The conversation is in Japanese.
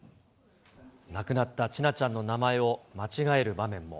亡くなった千奈ちゃんの名前を間違える場面も。